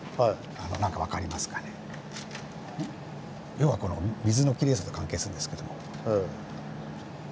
要はこの水のきれいさと関係するんですけども。